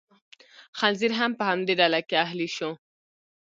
خنزیر هم په همدې ډله کې اهلي شو.